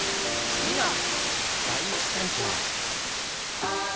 「ミノン」